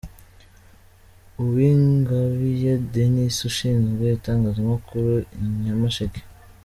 Uwingabiye Denys Ushinzwe Itangazamakuru i Nyamasheke.